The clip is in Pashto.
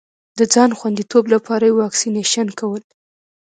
د ځان خوندیتوب لپاره یې واکسېنېشن کول.